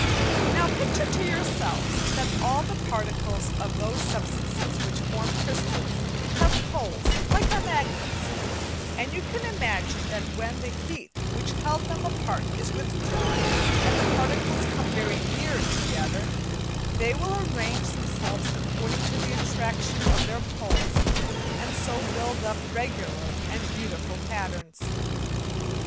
Now picture to yourselves that all the particles of those substances which form crystals have poles like our magnets, then you can imagine that when the heat which held them apart is withdrawn and the particles come very near together, they will arrange themselves according to the attraction of their poles and so build up regular and beautiful patterns.